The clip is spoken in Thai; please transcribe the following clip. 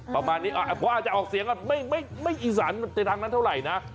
ประมาณนี้เพราะอาจจะออกเสียงไม่อิสรรในทางนั้นเท่าไหร่นะ